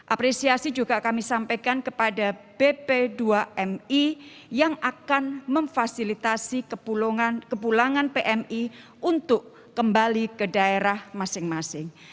apresiasi juga kami sampaikan kepada bp dua mi yang akan memfasilitasi kepulangan pmi untuk kembali ke daerah masing masing